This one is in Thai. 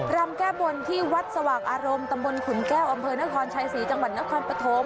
รำแก้บนที่วัดสวักอารมณ์ตำบคุณแก้วอนครชายสีจนครปฐม